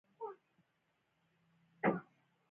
وسله نجلۍ یتیمه کوي